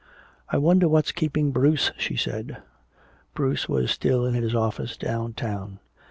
"I wonder what's keeping Bruce," she said. Bruce was still in his office downtown.